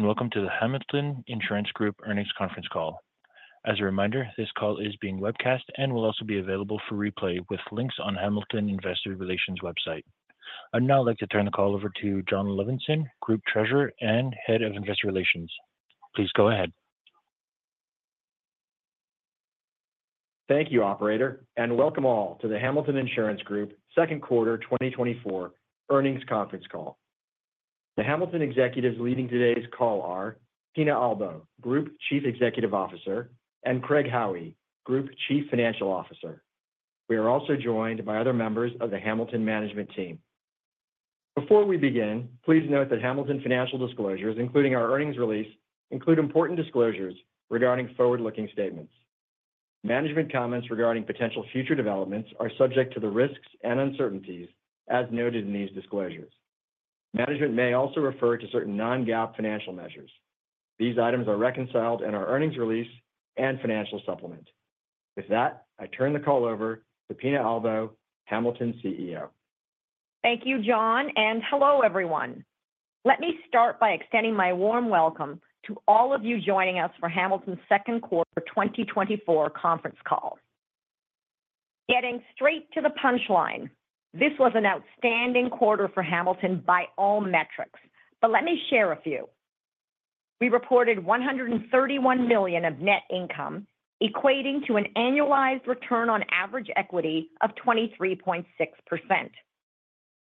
Hello, and welcome to the Hamilton Insurance Group Earnings Conference Call. As a reminder, this call is being webcast and will also be available for replay with links on Hamilton Investor Relations website. I'd now like to turn the call over to Jon Levinson, Group Treasurer and Head of Investor Relations. Please go ahead. Thank you, operator, and welcome all to the Hamilton Insurance Group Second Quarter 2024 Earnings Conference Call. The Hamilton executives leading today's call are Pina Albo, Group Chief Executive Officer, and Craig Howie, Group Chief Financial Officer. We are also joined by other members of the Hamilton management team. Before we begin, please note that Hamilton financial disclosures, including our earnings release, include important disclosures regarding forward-looking statements. Management comments regarding potential future developments are subject to the risks and uncertainties as noted in these disclosures. Management may also refer to certain non-GAAP financial measures. These items are reconciled in our earnings release and financial supplement. With that, I turn the call over to Pina Albo, Hamilton's CEO. Thank you, Jon, and hello, everyone. Let me start by extending my warm welcome to all of you joining us for Hamilton's second quarter 2024 conference call. Getting straight to the punchline, this was an outstanding quarter for Hamilton by all metrics, but let me share a few. We reported $131 million of net income, equating to an annualized return on average equity of 23.6%.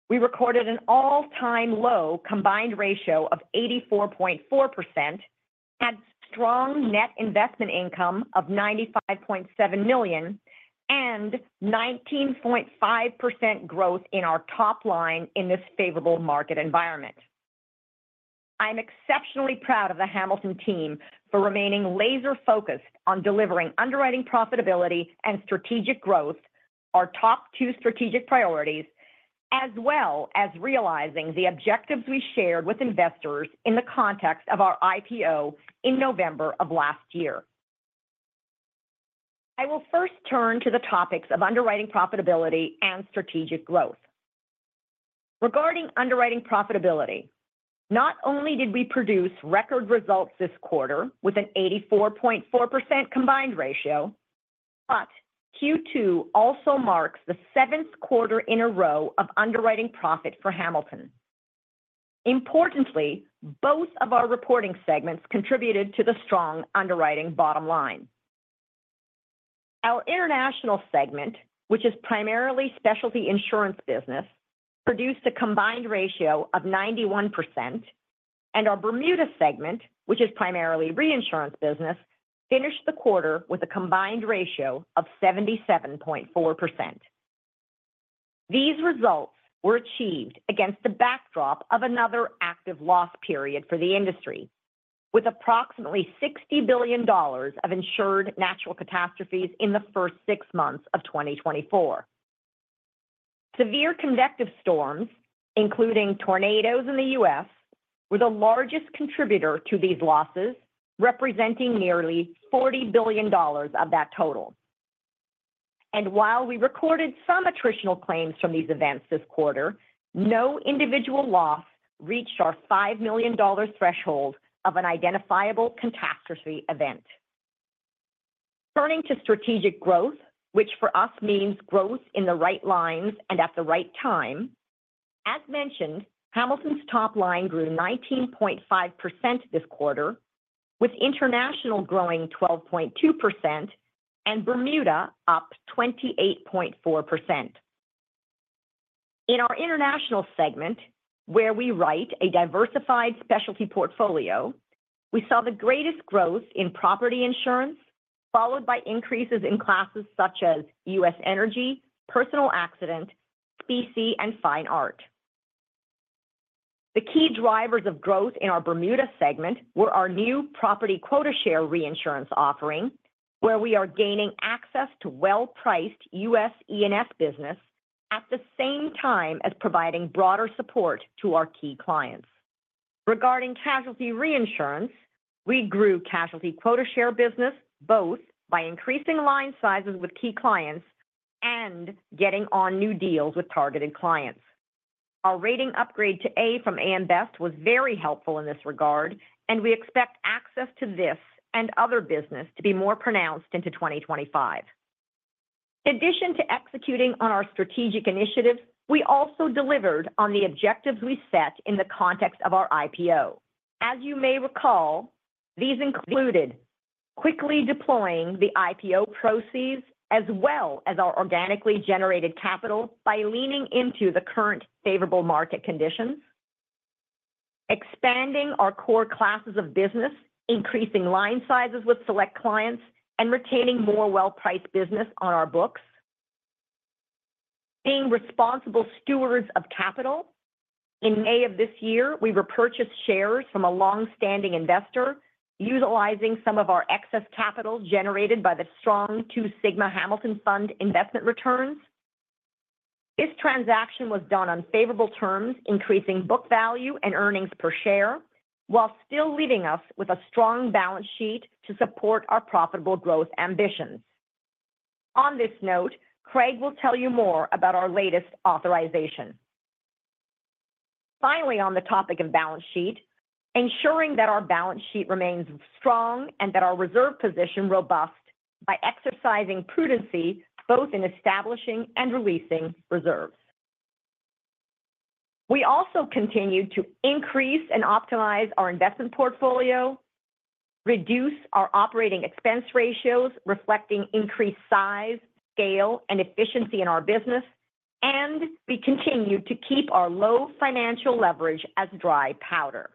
We recorded an all-time low combined ratio of 84.4%, had strong net investment income of $95.7 million, and 19.5% growth in our top line in this favorable market environment. I'm exceptionally proud of the Hamilton team for remaining laser-focused on delivering underwriting profitability and strategic growth, our top two strategic priorities, as well as realizing the objectives we shared with investors in the context of our IPO in November of last year. I will first turn to the topics of underwriting profitability and strategic growth. Regarding underwriting profitability, not only did we produce record results this quarter with an 84.4% combined ratio, but Q2 also marks the seventh quarter in a row of underwriting profit for Hamilton. Importantly, both of our reporting segments contributed to the strong underwriting bottom line. Our international segment, which is primarily specialty insurance business, produced a combined ratio of 91%, and our Bermuda segment, which is primarily reinsurance business, finished the quarter with a combined ratio of 77.4%. These results were achieved against the backdrop of another active loss period for the industry, with approximately $60 billion of insured natural catastrophes in the first six months of 2024. Severe convective storms, including tornadoes in the U.S., were the largest contributor to these losses, representing nearly $40 billion of that total. And while we recorded some attritional claims from these events this quarter, no individual loss reached our $5 million threshold of an identifiable catastrophe event. Turning to strategic growth, which for us means growth in the right lines and at the right time. As mentioned, Hamilton's top line grew 19.5% this quarter, with international growing 12.2% and Bermuda up 28.4%. In our international segment, where we write a diversified specialty portfolio, we saw the greatest growth in property insurance, followed by increases in classes such as U.S. energy, personal accident, specie, and fine art. The key drivers of growth in our Bermuda segment were our new property quota share reinsurance offering, where we are gaining access to well-priced U.S. E&S business at the same time as providing broader support to our key clients. Regarding casualty reinsurance, we grew casualty quota share business both by increasing line sizes with key clients and getting on new deals with targeted clients. Our rating upgrade to A from AM Best was very helpful in this regard, and we expect access to this and other business to be more pronounced into 2025. In addition to executing on our strategic initiatives, we also delivered on the objectives we set in the context of our IPO. As you may recall, these included quickly deploying the IPO proceeds as well as our organically generated capital by leaning into the current favorable market conditions, expanding our core classes of business, increasing line sizes with select clients, and retaining more well-priced business on our books. Being responsible stewards of capital. In May of this year, we repurchased shares from a long-standing investor, utilizing some of our excess capital generated by the strong Two Sigma Hamilton Fund investment returns. This transaction was done on favorable terms, increasing book value and earnings per share, while still leaving us with a strong balance sheet to support our profitable growth ambitions. On this note, Craig will tell you more about our latest authorization. Finally, on the topic of balance sheet, ensuring that our balance sheet remains strong and that our reserve position robust by exercising prudence, both in establishing and releasing reserves. We also continued to increase and optimize our investment portfolio, reduce our operating expense ratios, reflecting increased size, scale, and efficiency in our business, and we continued to keep our low financial leverage as dry powder.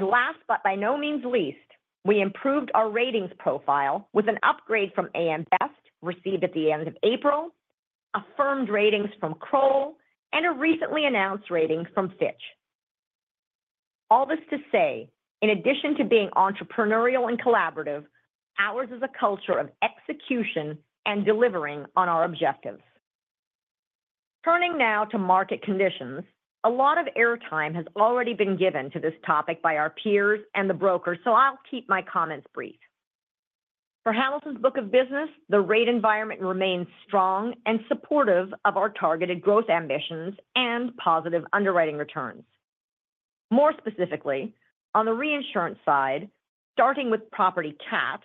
Last, but by no means least, we improved our ratings profile with an upgrade from AM Best received at the end of April, affirmed ratings from Kroll, and a recently announced rating from Fitch. All this to say, in addition to being entrepreneurial and collaborative, ours is a culture of execution and delivering on our objectives. Turning now to market conditions, a lot of airtime has already been given to this topic by our peers and the brokers, so I'll keep my comments brief. For Hamilton's book of business, the rate environment remains strong and supportive of our targeted growth ambitions and positive underwriting returns. More specifically, on the reinsurance side, starting with property CAT,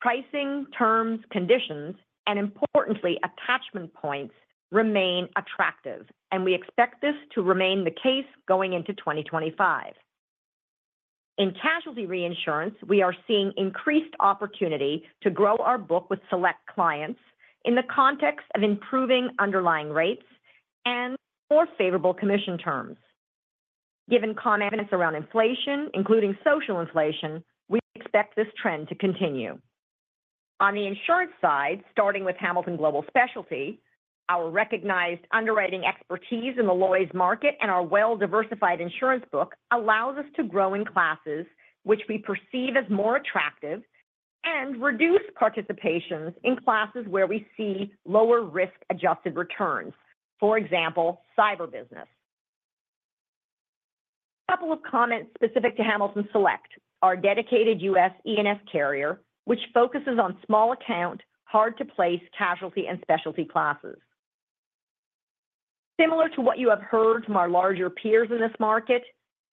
pricing, terms, conditions, and importantly, attachment points remain attractive, and we expect this to remain the case going into 2025. In casualty reinsurance, we are seeing increased opportunity to grow our book with select clients in the context of improving underlying rates and more favorable commission terms. Given confidence around inflation, including social inflation, we expect this trend to continue. On the insurance side, starting with Hamilton Global Specialty, our recognized underwriting expertise in the Lloyd's market and our well-diversified insurance book allows us to grow in classes which we perceive as more attractive and reduce participations in classes where we see lower risk-adjusted returns. For example, cyber business. A couple of comments specific to Hamilton Select, our dedicated U.S. E&S carrier, which focuses on small account, hard-to-place casualty and specialty classes. Similar to what you have heard from our larger peers in this market,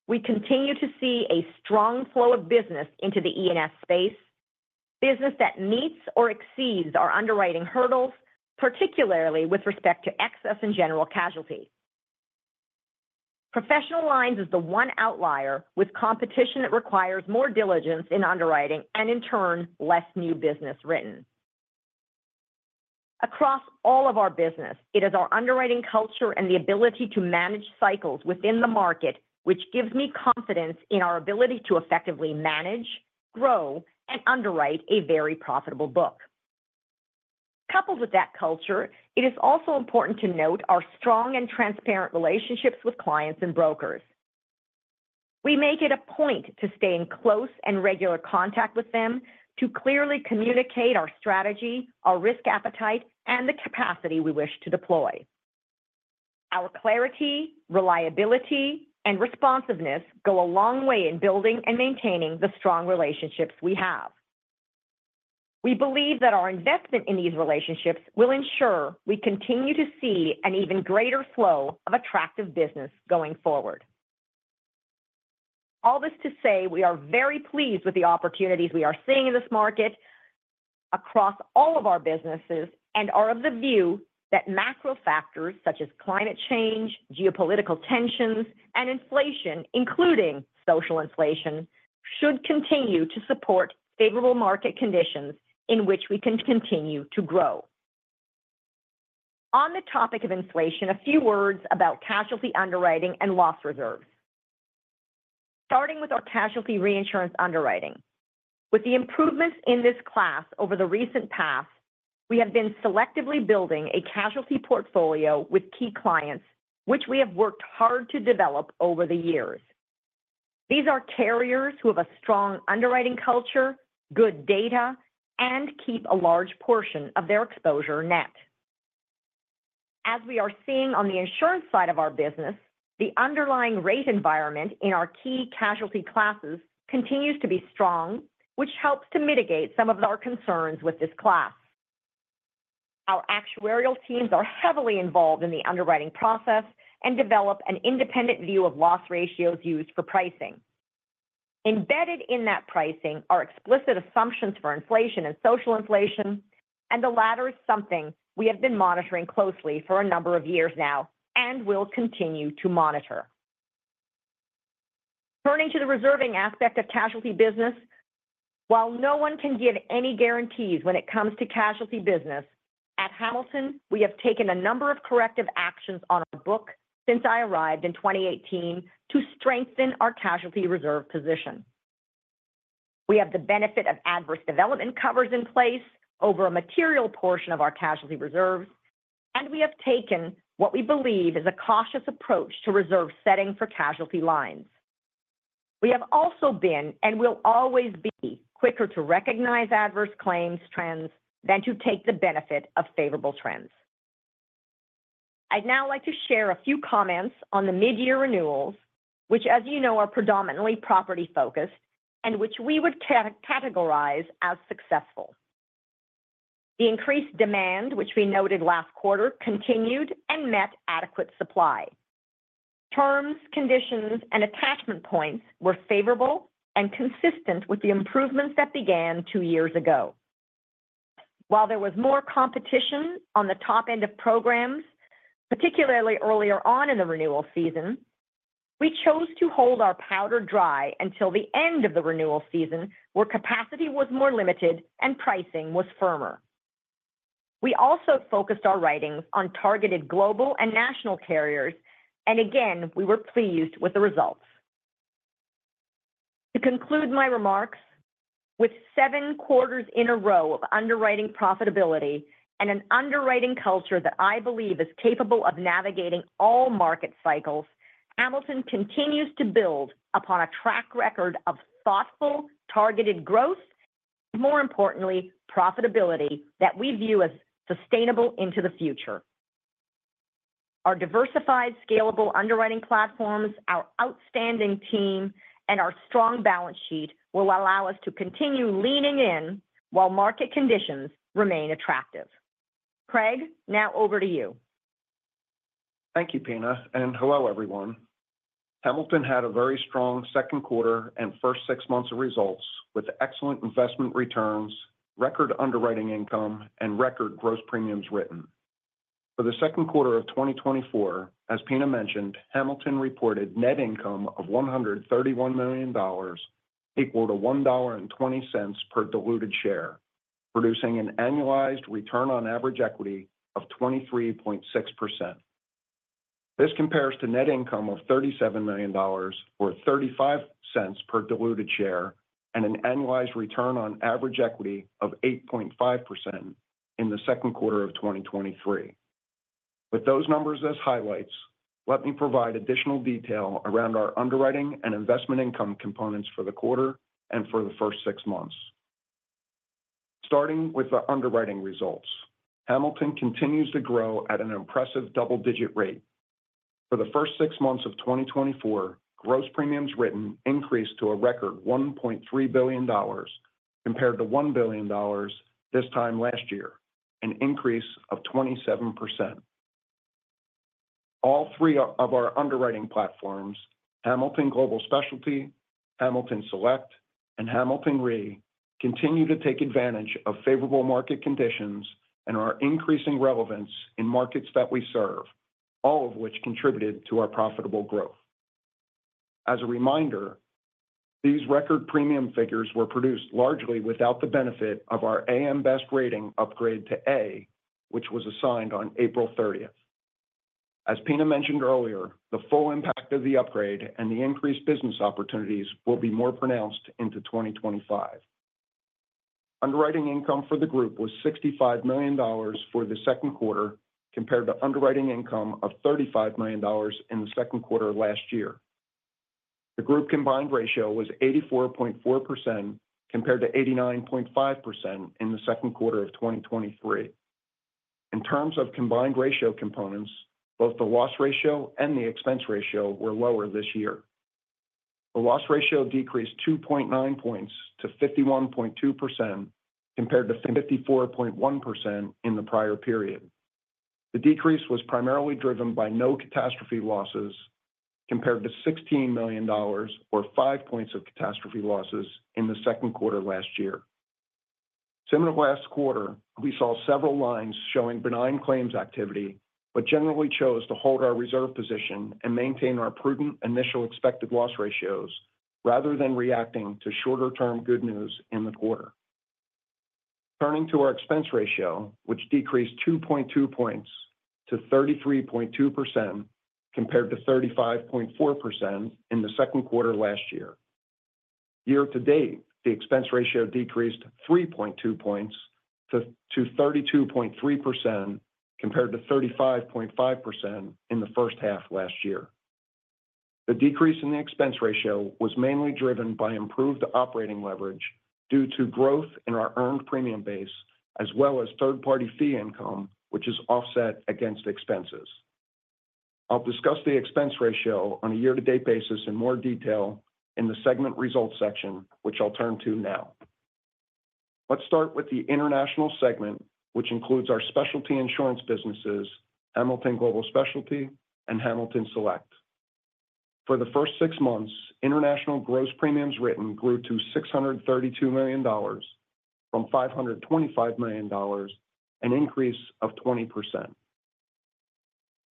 we continue to see a strong flow of business into the E&S space, business that meets or exceeds our underwriting hurdles, particularly with respect to excess in general casualty. Professional lines is the one outlier with competition that requires more diligence in underwriting and in turn, less new business written. Across all of our business, it is our underwriting culture and the ability to manage cycles within the market, which gives me confidence in our ability to effectively manage, grow, and underwrite a very profitable book. Coupled with that culture, it is also important to note our strong and transparent relationships with clients and brokers. We make it a point to stay in close and regular contact with them to clearly communicate our strategy, our risk appetite, and the capacity we wish to deploy. Our clarity, reliability, and responsiveness go a long way in building and maintaining the strong relationships we have. We believe that our investment in these relationships will ensure we continue to see an even greater flow of attractive business going forward. All this to say, we are very pleased with the opportunities we are seeing in this market across all of our businesses and are of the view that macro factors such as climate change, geopolitical tensions, and inflation, including social inflation, should continue to support favorable market conditions in which we can continue to grow. On the topic of inflation, a few words about casualty underwriting and loss reserves. Starting with our casualty reinsurance underwriting. With the improvements in this class over the recent past, we have been selectively building a casualty portfolio with key clients, which we have worked hard to develop over the years. These are carriers who have a strong underwriting culture, good data, and keep a large portion of their exposure net. As we are seeing on the insurance side of our business, the underlying rate environment in our key casualty classes continues to be strong, which helps to mitigate some of our concerns with this class. Our actuarial teams are heavily involved in the underwriting process and develop an independent view of loss ratios used for pricing. Embedded in that pricing are explicit assumptions for inflation and social inflation, and the latter is something we have been monitoring closely for a number of years now and will continue to monitor. Turning to the reserving aspect of casualty business, while no one can give any guarantees when it comes to casualty business, at Hamilton, we have taken a number of corrective actions on our book since I arrived in 2018 to strengthen our casualty reserve position. We have the benefit of adverse development covers in place over a material portion of our casualty reserves, and we have taken what we believe is a cautious approach to reserve setting for casualty lines. We have also been, and will always be, quicker to recognize adverse claims trends than to take the benefit of favorable trends. I'd now like to share a few comments on the mid-year renewals, which, as you know, are predominantly property-focused and which we would categorize as successful. The increased demand, which we noted last quarter, continued and met adequate supply. Terms, conditions, and attachment points were favorable and consistent with the improvements that began two years ago. While there was more competition on the top end of programs, particularly earlier on in the renewal season, we chose to hold our powder dry until the end of the renewal season, where capacity was more limited and pricing was firmer. We also focused our writings on targeted global and national carriers, and again, we were pleased with the results. To conclude my remarks, with seven quarters in a row of underwriting profitability and an underwriting culture that I believe is capable of navigating all market cycles, Hamilton continues to build upon a track record of thoughtful, targeted growth, and more importantly, profitability that we view as sustainable into the future. Our diversified, scalable underwriting platforms, our outstanding team, and our strong balance sheet will allow us to continue leaning in while market conditions remain attractive. Craig, now over to you. Thank you, Pina, and hello, everyone. Hamilton had a very strong second quarter and first six months of results, with excellent investment returns, record underwriting income, and record gross premiums written. For the second quarter of 2024, as Pina mentioned, Hamilton reported net income of $131 million, equal to $1.20 per diluted share, producing an annualized return on average equity of 23.6%. This compares to net income of $37 million, or $0.35 per diluted share, and an annualized return on average equity of 8.5% in the second quarter of 2023. With those numbers as highlights, let me provide additional detail around our underwriting and investment income components for the quarter and for the first six months. Starting with the underwriting results, Hamilton continues to grow at an impressive double-digit rate. For the first six months of 2024, gross premiums written increased to a record $1.3 billion compared to $1 billion this time last year, an increase of 27%. All three of our underwriting platforms, Hamilton Global Specialty, Hamilton Select, and Hamilton Re, continue to take advantage of favorable market conditions and are increasing relevance in markets that we serve, all of which contributed to our profitable growth. As a reminder, these record premium figures were produced largely without the benefit of our AM Best rating upgrade to A, which was assigned on April 30th. As Pina mentioned earlier, the full impact of the upgrade and the increased business opportunities will be more pronounced into 2025. Underwriting income for the group was $65 million for the second quarter, compared to underwriting income of $35 million in the second quarter of last year. The group combined ratio was 84.4%, compared to 89.5% in the second quarter of 2023. In terms of combined ratio components, both the loss ratio and the expense ratio were lower this year. The loss ratio decreased 2.9 points to 51.2%, compared to 54.1% in the prior period. The decrease was primarily driven by no catastrophe losses, compared to $16 million or 5 points of catastrophe losses in the second quarter last year. Similar to last quarter, we saw several lines showing benign claims activity, but generally chose to hold our reserve position and maintain our prudent initial expected loss ratios, rather than reacting to shorter-term good news in the quarter. Turning to our expense ratio, which decreased 2.2 points to 33.2%, compared to 35.4% in the second quarter last year. Year to date, the expense ratio decreased 3.2 points to 32.3%, compared to 35.5% in the first half last year. The decrease in the expense ratio was mainly driven by improved operating leverage due to growth in our earned premium base, as well as third-party fee income, which is offset against expenses. I'll discuss the expense ratio on a year-to-date basis in more detail in the segment results section, which I'll turn to now. Let's start with the international segment, which includes our specialty insurance businesses, Hamilton Global Specialty and Hamilton Select. For the first six months, international gross premiums written grew to $632 million from $525 million, an increase of 20%.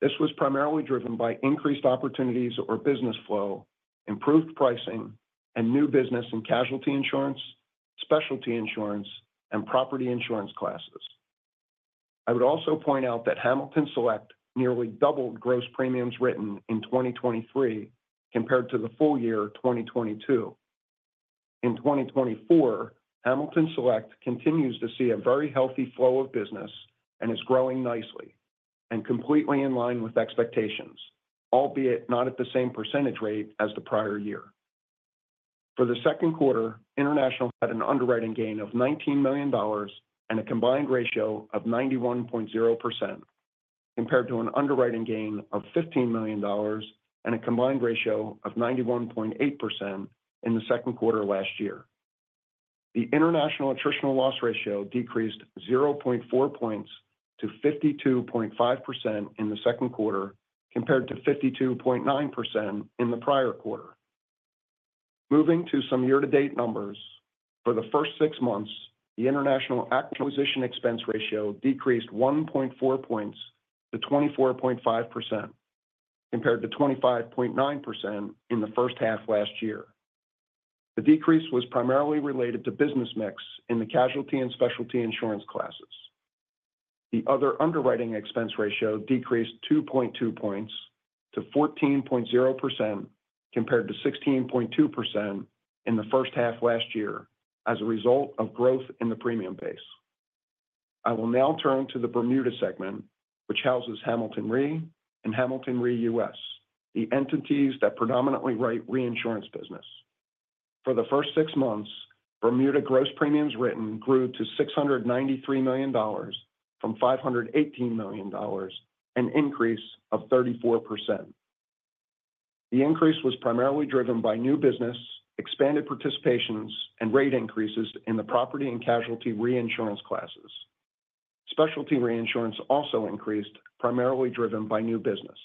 This was primarily driven by increased opportunities or business flow, improved pricing, and new business in casualty insurance, specialty insurance, and property insurance classes. I would also point out that Hamilton Select nearly doubled gross premiums written in 2023 compared to the full year 2022. In 2024, Hamilton Select continues to see a very healthy flow of business and is growing nicely and completely in line with expectations, albeit not at the same percentage rate as the prior year. For the second quarter, International had an underwriting gain of $19 million and a combined ratio of 91.0%, compared to an underwriting gain of $15 million and a combined ratio of 91.8% in the second quarter last year. The international attritional loss ratio decreased 0.4 points to 52.5% in the second quarter, compared to 52.9% in the prior quarter. Moving to some year-to-date numbers, for the first six months, the international acquisition expense ratio decreased 1.4 points to 24.5%, compared to 25.9% in the first half last year. The decrease was primarily related to business mix in the casualty and specialty insurance classes. The other underwriting expense ratio decreased 2.2 points to 14.0%, compared to 16.2% in the first half last year, as a result of growth in the premium base. I will now turn to the Bermuda segment, which houses Hamilton Re and Hamilton Re U.S., the entities that predominantly write reinsurance business. For the first six months, Bermuda gross premiums written grew to $693 million from $518 million, an increase of 34%. The increase was primarily driven by new business, expanded participations, and rate increases in the property and casualty reinsurance classes. Specialty reinsurance also increased, primarily driven by new business.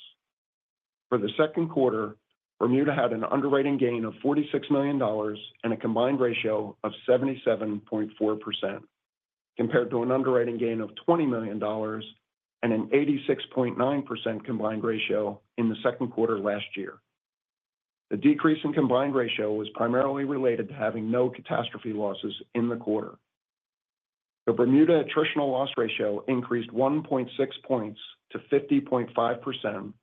For the second quarter, Bermuda had an underwriting gain of $46 million and a combined ratio of 77.4%, compared to an underwriting gain of $20 million and an 86.9% combined ratio in the second quarter last year. The decrease in combined ratio was primarily related to having no catastrophe losses in the quarter. The Bermuda attritional loss ratio increased 1.6 points to 50.5%,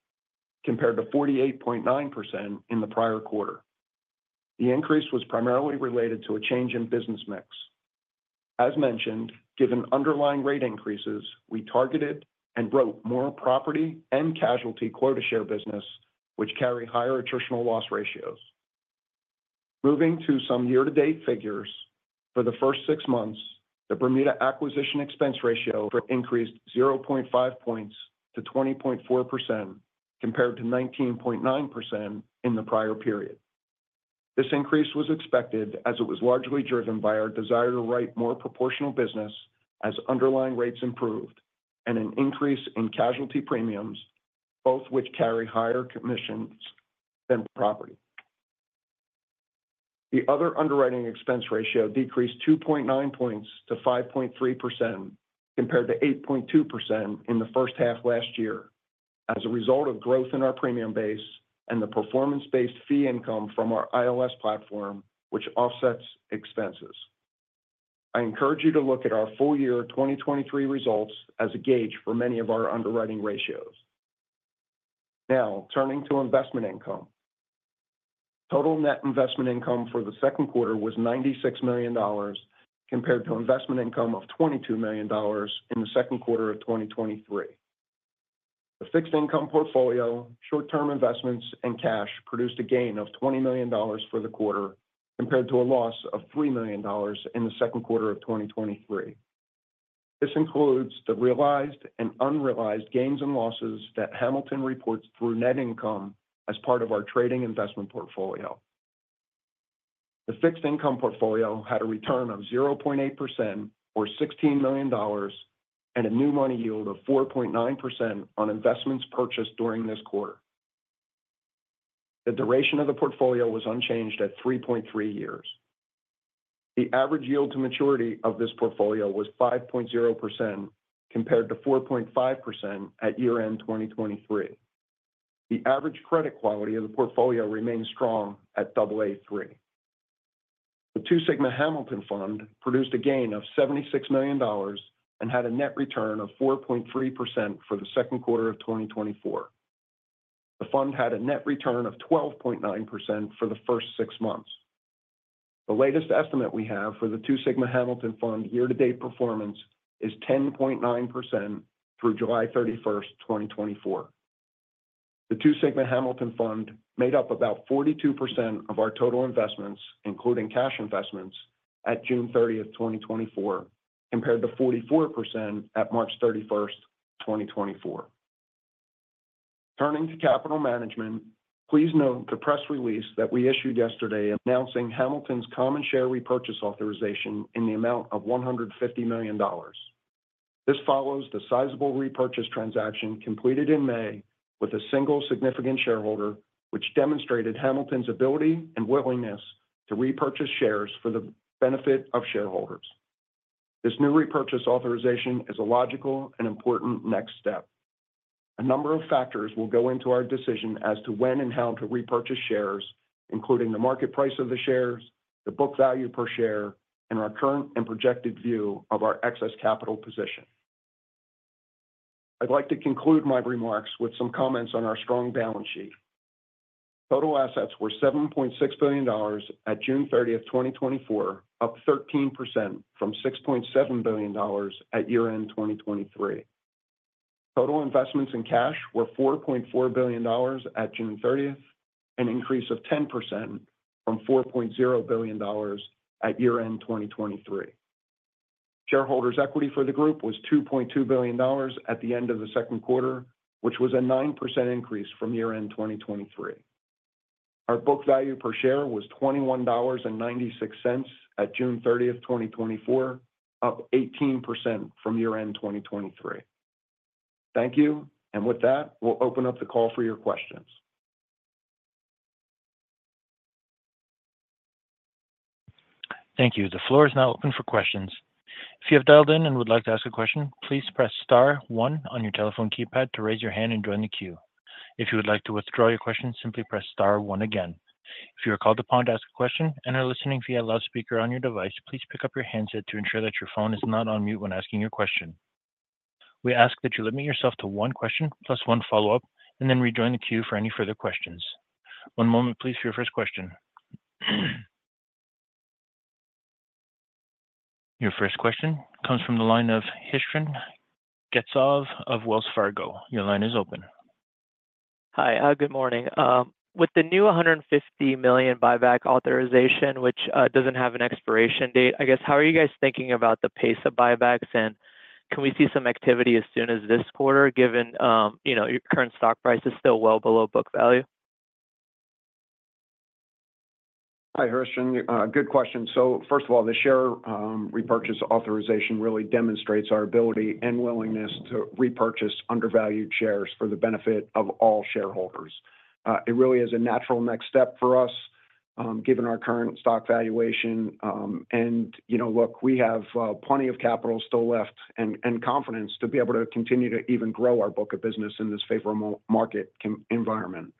compared to 48.9% in the prior quarter. The increase was primarily related to a change in business mix. As mentioned, given underlying rate increases, we targeted and wrote more property and casualty quota share business, which carry higher attritional loss ratios. Moving to some year-to-date figures, for the first six months, the Bermuda acquisition expense ratio increased 0.5 points to 20.4%, compared to 19.9% in the prior period. This increase was expected as it was largely driven by our desire to write more proportional business as underlying rates improved and an increase in casualty premiums, both which carry higher commissions than property. The other underwriting expense ratio decreased 2.9 points to 5.3%, compared to 8.2% in the first half last year, as a result of growth in our premium base and the performance-based fee income from our ILS platform, which offsets expenses. I encourage you to look at our full year 2023 results as a gauge for many of our underwriting ratios. Now, turning to investment income. Total net investment income for the second quarter was $96 million, compared to investment income of $22 million in the second quarter of 2023. The fixed income portfolio, short-term investments, and cash produced a gain of $20 million for the quarter, compared to a loss of $3 million in the second quarter of 2023. This includes the realized and unrealized gains and losses that Hamilton reports through net income as part of our trading investment portfolio. The fixed income portfolio had a return of 0.8% or $16 million, and a new money yield of 4.9% on investments purchased during this quarter. The duration of the portfolio was unchanged at 3.3 years. The average yield to maturity of this portfolio was 5.0%, compared to 4.5% at year-end 2023. The average credit quality of the portfolio remains strong at AA3. The Two Sigma Hamilton Fund produced a gain of $76 million and had a net return of 4.3% for the second quarter of 2024. The fund had a net return of 12.9% for the first six months. The latest estimate we have for the Two Sigma Hamilton Fund year-to-date performance is 10.9% through July 31st, 2024. The Two Sigma Hamilton Fund made up about 42% of our total investments, including cash investments, at June 30th, 2024, compared to 44% at March 31st, 2024. Turning to capital management, please note the press release that we issued yesterday announcing Hamilton's common share repurchase authorization in the amount of $150 million. This follows the sizable repurchase transaction completed in May with a single significant shareholder, which demonstrated Hamilton's ability and willingness to repurchase shares for the benefit of shareholders. This new repurchase authorization is a logical and important next step. A number of factors will go into our decision as to when and how to repurchase shares, including the market price of the shares, the book value per share, and our current and projected view of our excess capital position. I'd like to conclude my remarks with some comments on our strong balance sheet. Total assets were $7.6 billion at June 30th, 2024, up 13% from $6.7 billion at year-end 2023. Total investments in cash were $4.4 billion at June 30th, an increase of 10% from $4.0 billion at year-end 2023. Shareholders' equity for the group was $2.2 billion at the end of the second quarter, which was a 9% increase from year-end 2023. Our book value per share was $21.96 at June 30th, 2024, up 18% from year-end 2023. Thank you. With that, we'll open up the call for your questions. Thank you. The floor is now open for questions. If you have dialed in and would like to ask a question, please press star one on your telephone keypad to raise your hand and join the queue. If you would like to withdraw your question, simply press star one again. If you are called upon to ask a question and are listening via loudspeaker on your device, please pick up your handset to ensure that your phone is not on mute when asking your question. We ask that you limit yourself to one question plus one follow-up, and then rejoin the queue for any further questions. One moment, please, for your first question. Your first question comes from the line of Elyse Greenspan of Wells Fargo. Your line is open. Hi, good morning. With the new $150 million buyback authorization, which doesn't have an expiration date, I guess, how are you guys thinking about the pace of buybacks? And can we see some activity as soon as this quarter, given, you know, your current stock price is still well below book value? Hi, Elyse, good question. So first of all, the share repurchase authorization really demonstrates our ability and willingness to repurchase undervalued shares for the benefit of all shareholders. It really is a natural next step for us, given our current stock valuation. And, you know, look, we have plenty of capital still left and confidence to be able to continue to even grow our book of business in this favorable market environment.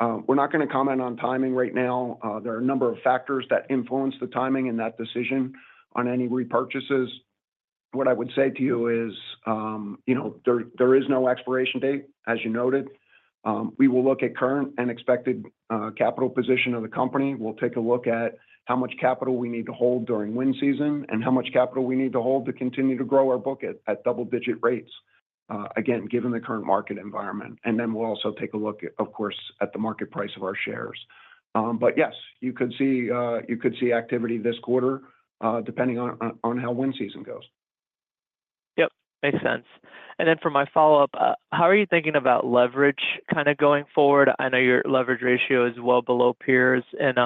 We're not gonna comment on timing right now. There are a number of factors that influence the timing and that decision on any repurchases. What I would say to you is, you know, there is no expiration date, as you noted. We will look at current and expected capital position of the company. We'll take a look at how much capital we need to hold during wind season and how much capital we need to hold to continue to grow our book at double-digit rates, again, given the current market environment. Then we'll also take a look, of course, at the market price of our shares. Yes, you could see, you could see activity this quarter, depending on how wind season goes. Yep, makes sense. And then for my follow-up, how are you thinking about leverage kind of going forward? I know your leverage ratio is well below peers, and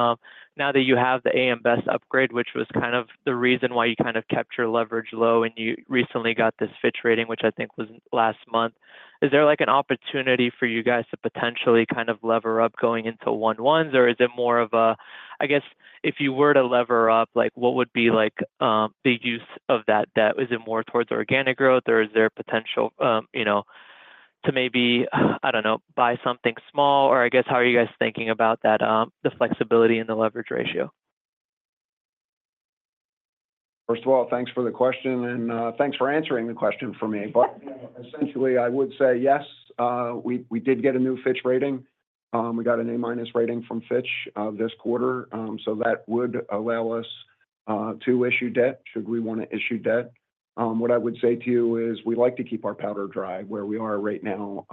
now that you have the AM Best upgrade, which was kind of the reason why you kind of kept your leverage low and you recently got this Fitch rating, which I think was last month, is there, like, an opportunity for you guys to potentially kind of lever up going into one-ones? Or is it more of a. I guess, if you were to lever up, like, what would be, like, the use of that debt? Is it more towards organic growth, or is there potential, you know, to maybe, I don't know, buy something small? Or I guess, how are you guys thinking about that, the flexibility in the leverage ratio? First of all, thanks for the question, and thanks for answering the question for me. But essentially, I would say yes, we did get a new Fitch rating. We got an A- rating from Fitch this quarter. So that would allow us to issue debt should we want to issue debt. What I would say to you is we like to keep our powder dry where we are right now,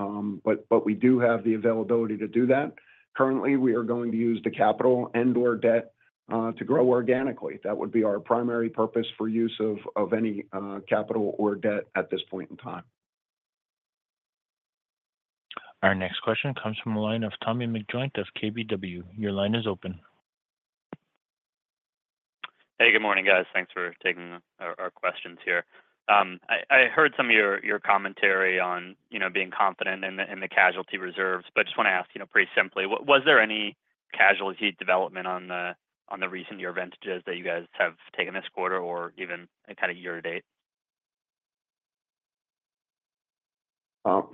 but we do have the availability to do that. Currently, we are going to use the capital and/or debt to grow organically. That would be our primary purpose for use of any capital or debt at this point in time. Our next question comes from the line of Tommy McJoynt of KBW. Your line is open. Hey, good morning, guys. Thanks for taking our questions here. I heard some of your commentary on, you know, being confident in the casualty reserves, but I just want to ask, you know, pretty simply, was there any casualty development on the recent-year adverse that you guys have taken this quarter or even kind of year to date?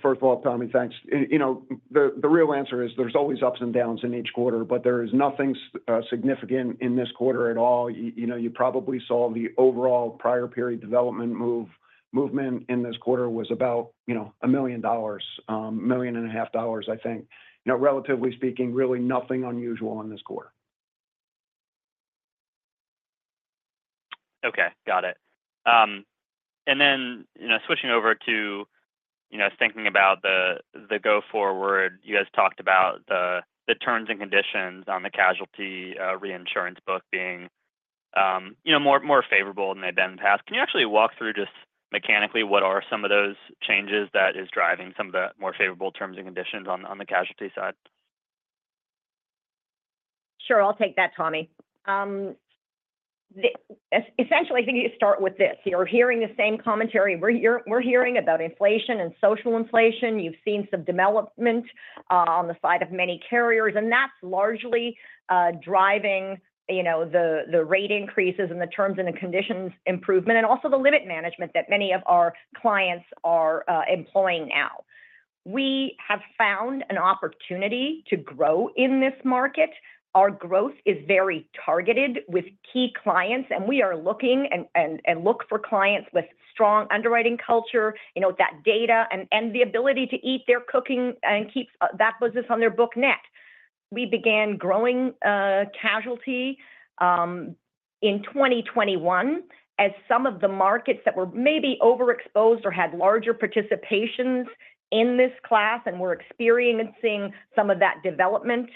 First of all, Tommy, thanks. You know, the real answer is there's always ups and downs in each quarter, but there is nothing significant in this quarter at all. You know, you probably saw the overall prior period development movement in this quarter was about $1 million, $1.5 million, I think. You know, relatively speaking, really nothing unusual in this quarter. Okay, got it. And then, you know, switching over to, you know, thinking about the go forward, you guys talked about the terms and conditions on the casualty reinsurance book being, you know, more favorable than they've been in the past. Can you actually walk through just mechanically what are some of those changes that is driving some of the more favorable terms and conditions on the casualty side? Sure, I'll take that, Tommy. Essentially, I think you start with this. You're hearing the same commentary we're hearing about inflation and social inflation. You've seen some development on the side of many carriers, and that's largely driving, you know, the rate increases and the terms and the conditions improvement, and also the limit management that many of our clients are employing now. We have found an opportunity to grow in this market. Our growth is very targeted with key clients, and we are looking and look for clients with strong underwriting culture, you know, that data and the ability to eat their cooking and keep that business on their book net. We began growing casualty in 2021 as some of the markets that were maybe overexposed or had larger participations in this class and were experiencing some of that development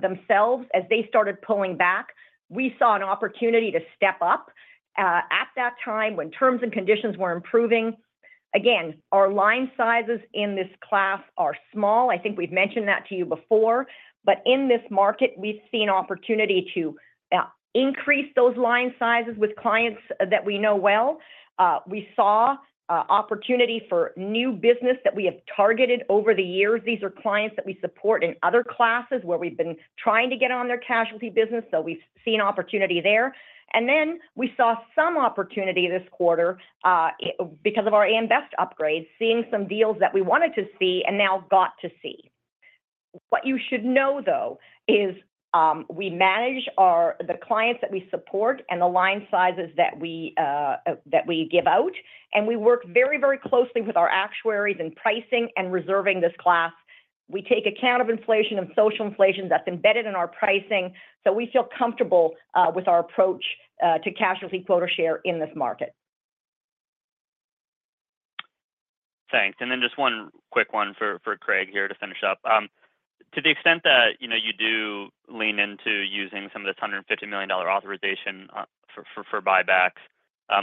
themselves. As they started pulling back, we saw an opportunity to step up at that time when terms and conditions were improving. Again, our line sizes in this class are small. I think we've mentioned that to you before, but in this market, we've seen opportunity to increase those line sizes with clients that we know well. We saw opportunity for new business that we have targeted over the years. These are clients that we support in other classes, where we've been trying to get on their casualty business, so we've seen opportunity there. And then we saw some opportunity this quarter, because of our AM Best upgrade, seeing some deals that we wanted to see and now got to see. What you should know, though, is we manage the clients that we support and the line sizes that we give out, and we work very, very closely with our actuaries in pricing and reserving this class. We take account of inflation and social inflation that's embedded in our pricing, so we feel comfortable with our approach to casualty quota share in this market. Thanks. And then just one quick one for Craig here to finish up. To the extent that, you know, you do lean into using some of this $150 million authorization for buybacks,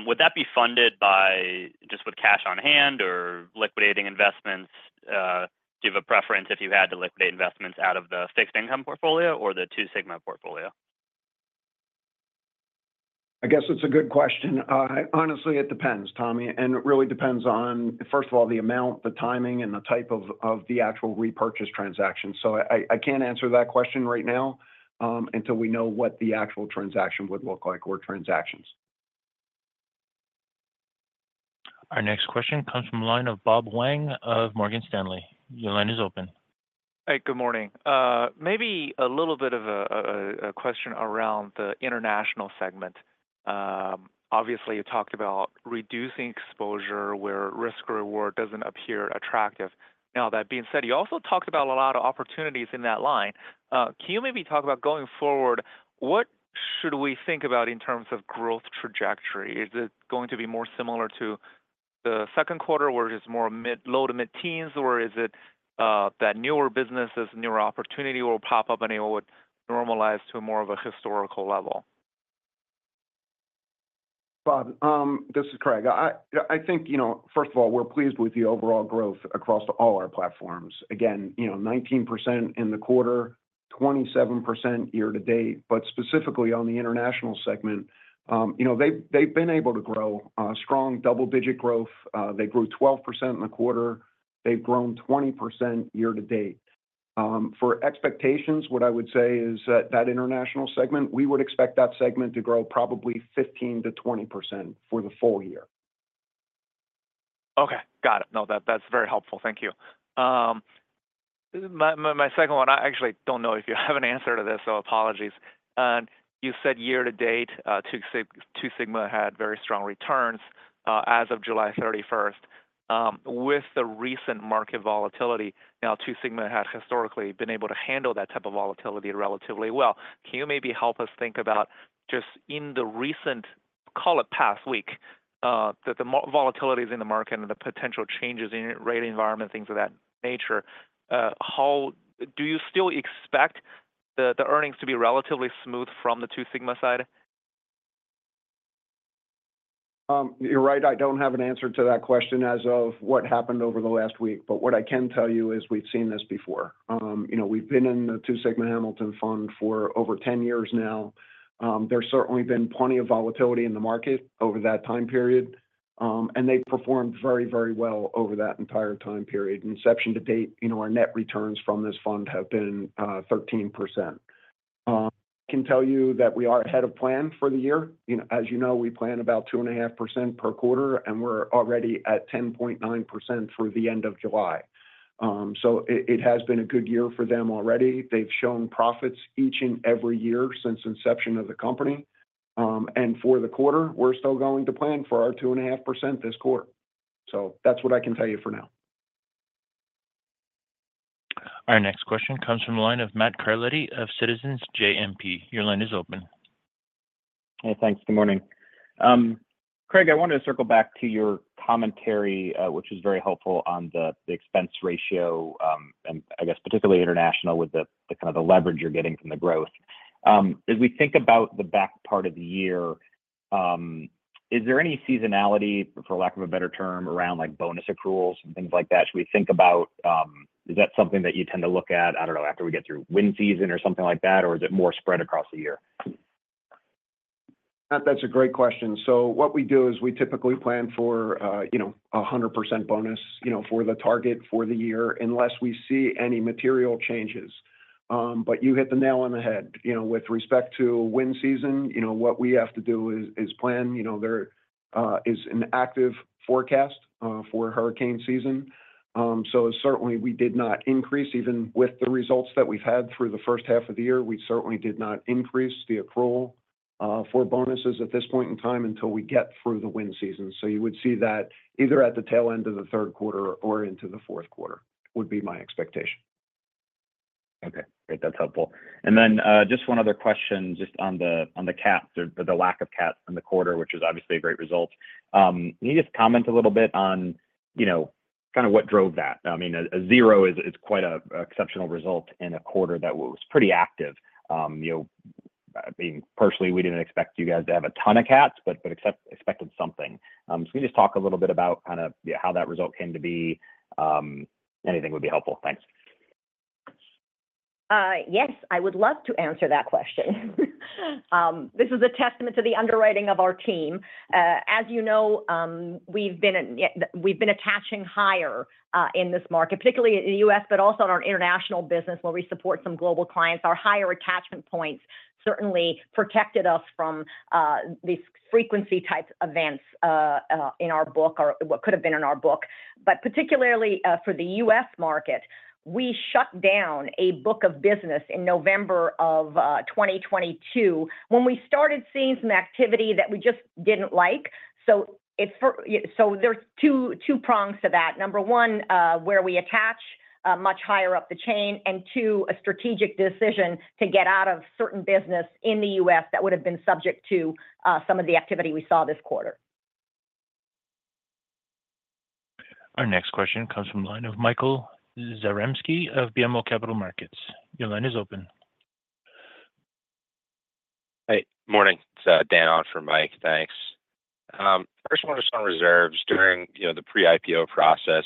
would that be funded by just with cash on hand or liquidating investments? Do you have a preference if you had to liquidate investments out of the fixed income portfolio or the Two Sigma portfolio? I guess it's a good question. Honestly, it depends, Tommy, and it really depends on, first of all, the amount, the timing, and the type of the actual repurchase transaction. So I can't answer that question right now, until we know what the actual transaction would look like or transactions. Our next question comes from the line of Bob Huang of Morgan Stanley. Your line is open. Hey, good morning. Maybe a little bit of a question around the international segment. Obviously, you talked about reducing exposure where risk reward doesn't appear attractive. Now, that being said, you also talked about a lot of opportunities in that line. Can you maybe talk about, going forward, what should we think about in terms of growth trajectory? Is it going to be more similar to the second quarter, where it's more mid-low to mid-teens, or is it that newer businesses, newer opportunity will pop up, and it would normalize to more of a historical level? Bob, this is Craig. I think, you know, first of all, we're pleased with the overall growth across all our platforms. Again, you know, 19% in the quarter, 27% year to date. But specifically on the international segment, you know, they've been able to grow, strong double-digit growth. They grew 12% in the quarter. They've grown 20% year to date. For expectations, what I would say is that international segment, we would expect that segment to grow probably 15%-20% for the full year. Okay, got it. No, that, that's very helpful. Thank you. My second one, I actually don't know if you have an answer to this, so apologies. You said year to date, Two Sigma had very strong returns, as of July 31st. With the recent market volatility, now, Two Sigma has historically been able to handle that type of volatility relatively well. Can you maybe help us think about just in the recent, call it, past week, the volatility in the market and the potential changes in rate environment, things of that nature, how, do you still expect the earnings to be relatively smooth from the Two Sigma side? You're right, I don't have an answer to that question as of what happened over the last week, but what I can tell you is we've seen this before. You know, we've been in the Two Sigma Hamilton Fund for over 10 years now. There's certainly been plenty of volatility in the market over that time period, and they've performed very, very well over that entire time period. Inception to date, you know, our net returns from this fund have been 13%. I can tell you that we are ahead of plan for the year. You know, as you know, we plan about 2.5% per quarter, and we're already at 10.9% through the end of July. So it has been a good year for them already. They've shown profits each and every year since inception of the company. For the quarter, we're still going to plan for our 2.5% this quarter. So that's what I can tell you for now. Our next question comes from the line of Matt Carletti of Citizens JMP. Your line is open. Hey, thanks. Good morning. Craig, I wanted to circle back to your commentary, which was very helpful on the, the expense ratio, and I guess particularly international, with the, the kind of the leverage you're getting from the growth. As we think about the back part of the year, is there any seasonality, for lack of a better term, around, like, bonus accruals and things like that? Should we think about. Is that something that you tend to look at, I don't know, after we get through wind season or something like that, or is it more spread across the year? Matt, that's a great question. So what we do is we typically plan for, you know, 100% bonus, you know, for the target for the year, unless we see any material changes. But you hit the nail on the head. You know, with respect to wind season, you know, what we have to do is plan. You know, there is an active forecast for hurricane season. So certainly, we did not increase even with the results that we've had through the first half of the year, we certainly did not increase the accrual for bonuses at this point in time until we get through the wind season. So you would see that either at the tail end of the third quarter or into the fourth quarter, would be my expectation. Okay, great. That's helpful. And then, just one other question just on the, on the CAT, or the lack of CAT in the quarter, which is obviously a great result. Can you just comment a little bit on, you know, kind of what drove that? I mean, a zero is quite a exceptional result in a quarter that was pretty active. You know, I mean, personally, we didn't expect you guys to have a ton of CATs, but expected something. So can you just talk a little bit about kind of, yeah, how that result came to be? Anything would be helpful. Thanks. Yes, I would love to answer that question. This is a testament to the underwriting of our team. As you know, we've been attaching higher in this market, particularly in the U.S., but also in our international business, where we support some global clients. Our higher attachment points certainly protected us from these frequency-type events in our book or what could have been in our book. But particularly for the U.S. market, we shut down a book of business in November of 2022 when we started seeing some activity that we just didn't like. So it's for. Yeah, so there's two prongs to that. Number 1, where we attach, much higher up the chain, and two, a strategic decision to get out of certain business in the U.S. that would've been subject to, some of the activity we saw this quarter. Our next question comes from the line of Michael Zaremski of BMO Capital Markets. Your line is open. Hey, morning. It's Dan on for Mike. Thanks. First one is on reserves. During, you know, the pre-IPO process,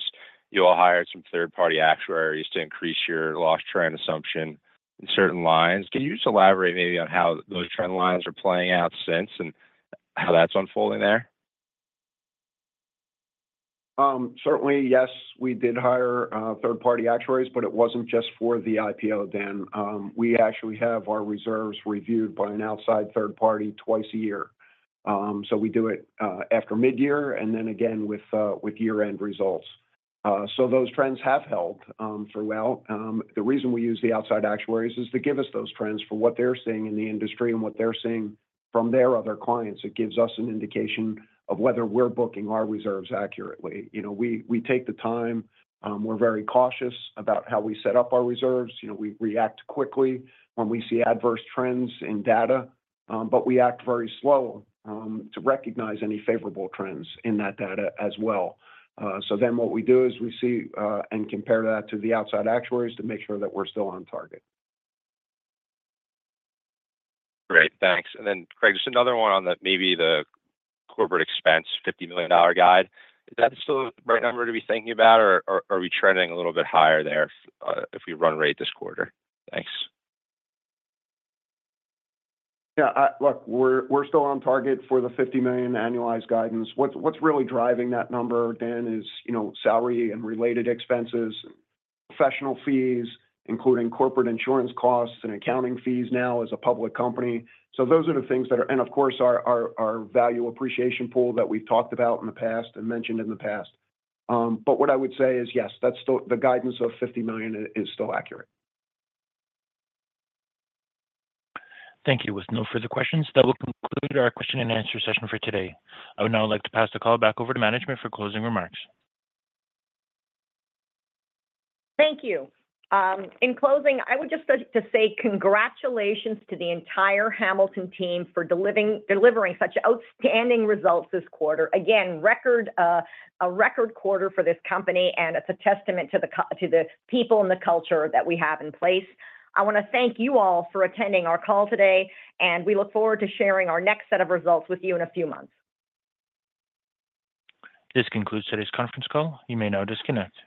you all hired some third-party actuaries to increase your loss trend assumption in certain lines. Can you just elaborate maybe on how those trend lines are playing out since and how that's unfolding there? Certainly, yes, we did hire third-party actuaries, but it wasn't just for the IPO, Dan. We actually have our reserves reviewed by an outside third party twice a year. So we do it after midyear and then again with year-end results. So those trends have held for well. The reason we use the outside actuaries is to give us those trends for what they're seeing in the industry and what they're seeing from their other clients. It gives us an indication of whether we're booking our reserves accurately. You know, we, we take the time. We're very cautious about how we set up our reserves. You know, we react quickly when we see adverse trends in data, but we act very slow to recognize any favorable trends in that data as well. So then what we do is we see, and compare that to the outside actuaries to make sure that we're still on target. Great, thanks. And then, Craig, just another one on the, maybe the corporate expense, $50 million guide. Is that still the right number to be thinking about, or, or, are we trending a little bit higher there if, if we run rate this quarter? Thanks. Yeah, look, we're still on target for the $50 million annualized guidance. What's really driving that number, Dan, is, you know, salary and related expenses, professional fees, including corporate insurance costs and accounting fees now as a public company. So those are the things that are. And, of course, our Value Appreciation Pool that we've talked about in the past and mentioned in the past. But what I would say is, yes, that's still the guidance of $50 million is still accurate. Thank you. With no further questions, that will conclude our question and answer session for today. I would now like to pass the call back over to management for closing remarks. Thank you. In closing, I would just like to say congratulations to the entire Hamilton team for delivering such outstanding results this quarter. Again, a record quarter for this company, and it's a testament to the people and the culture that we have in place. I wanna thank you all for attending our call today, and we look forward to sharing our next set of results with you in a few months. This concludes today's conference call. You may now disconnect.